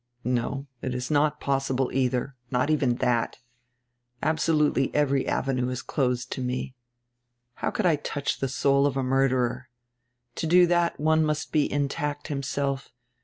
"No, it is not possible either. Not even that Abso lutely every avenue is closed to me. How could I touch the soul of a murderer? To do that one must be intact himself.